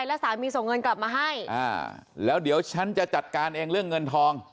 แล้วสามีส่งเงินกลับมาให้อ่าแล้วเดี๋ยวฉันจะจัดการเองเรื่องเงินทอง